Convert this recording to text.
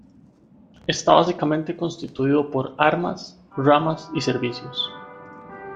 Está básicamente constituido por armas, ramas y servicios.